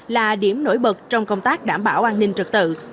là điểm nổi bật trong công tác đảm bảo an ninh trật tự